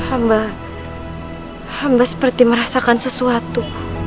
amba amba seperti merasakan sesuatu